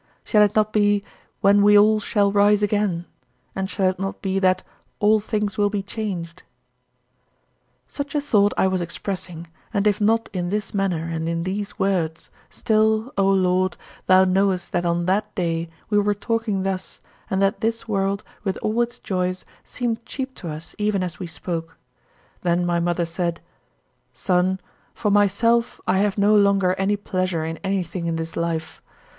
Shall it not be 'when we all shall rise again,' and shall it not be that 'all things will be changed'?" 26. Such a thought I was expressing, and if not in this manner and in these words, still, O Lord, thou knowest that on that day we were talking thus and that this world, with all its joys, seemed cheap to us even as we spoke. Then my mother said: "Son, for myself I have no longer any pleasure in anything in this life.